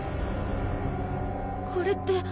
これって。